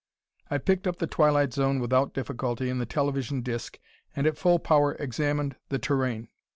I picked up the twilight zone without difficulty in the television disc, and at full power examined the terrain.